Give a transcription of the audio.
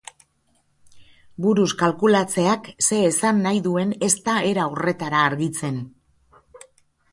Buruz kalkulatzeak zer esan nahi duen ez da era horretara argitzen.